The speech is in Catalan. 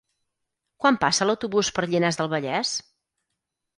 Quan passa l'autobús per Llinars del Vallès?